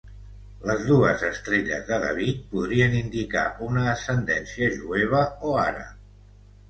Les dues estrelles de David podrien indicar una ascendència jueva o àrab.